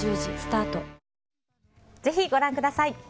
ぜひご覧ください。